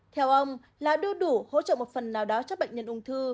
theo ông lá đu đủ hỗ trợ một phần nào đó cho bệnh nhân ung thư